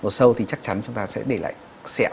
sâu lột sâu thì chắc chắn chúng ta sẽ để lại xẹo